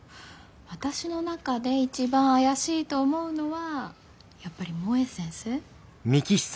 私の中で一番怪しいと思うのはやっぱり萌先生。